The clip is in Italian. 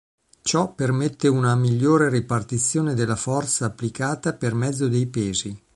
Ciò permette una migliore ripartizione della forza applicata per mezzo dei pesi.